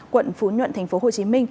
quận phú nhuận tp hcm